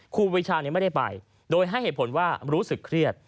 ครูปีชาไม่ได้ไปโดยให้เหตุผลว่ารู้สึกเครียด